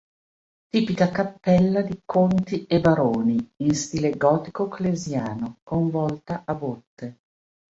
Tipica cappella di conti e baroni, in stile gotico-clesiano con volta a botte.